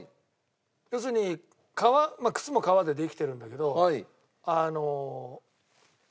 要するに革まあ靴も革でできてるんだけどあの。